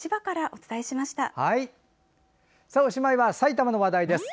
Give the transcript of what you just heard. おしまいは埼玉の話題です。